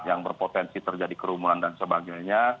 yang berpotensi terjadi kerumunan dan sebagainya